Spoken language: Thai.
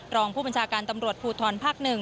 รองผู้บัญชาการตำรวจภูทรภาค๑